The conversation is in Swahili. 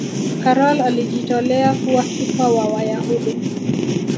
karol alijitolea kuwa kipa wa Wayahudi